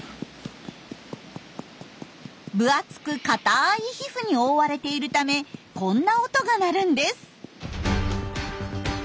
分厚く硬い皮膚に覆われているためこんな音が鳴るんです。